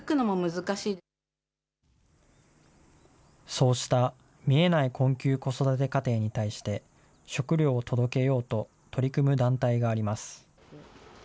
そうした、見えない困窮子育て家庭に対して、食料を届けようと取り組む団体があります。